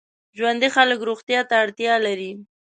ژوندي خلک روغتیا ته اړتیا لري